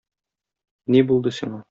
Ни булды сиңа?